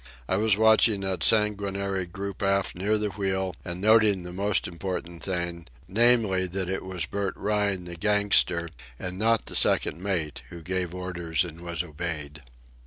I was watching that sanguinary group aft near the wheel and noting the most important thing, namely, that it was Bert Rhine, the gangster, and not the second mate, who gave orders and was obeyed.